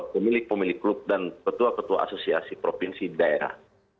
pemilik pemilik klub dan petua petua asosiasi provinsi daerah